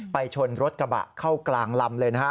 ชนรถกระบะเข้ากลางลำเลยนะฮะ